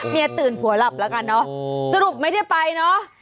เมียตื่นผัวหลับแล้วกันเนอะสรุปไม่ได้ไปเนอะ